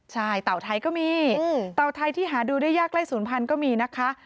ใช่เต่าไทยก็มีเต่าไทยที่หาดูได้ยากใกล้ศูนย์พันธุ์ก็มีนะคะ